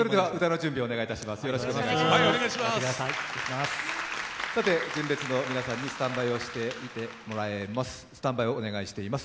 純烈の皆さんにスタンバイをお願いしています。